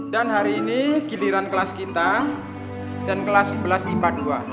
dan hari ini giliran kelas kita dan kelas sebelas ipa dua